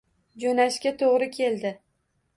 Jo`nashga to`g`ri keldi